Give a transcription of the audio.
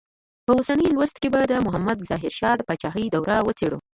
په اوسني لوست کې به د محمد ظاهر شاه د پاچاهۍ دوره وڅېړو.